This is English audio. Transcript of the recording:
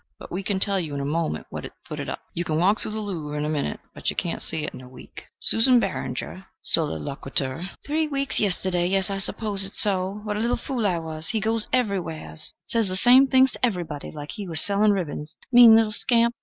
But we can tell you in a moment what it footed up. You can walk through the Louvre in a minute, but you cannot see it in a week. Susan Barringer (sola, loquitur): "Three weeks yesterday. Yes, I s'pose it's so. What a little fool I was! He goes everywheres says the same things to everybody, like he was selling ribbons. Mean little scamp!